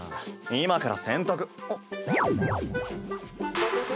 今から洗濯あっ。